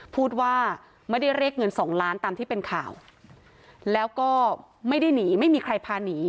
พูดว่าไม่ได้เรียกเงินสองล้านตามที่เป็นข่าวแล้วก็ไม่ได้หนีไม่มีใครพาหนี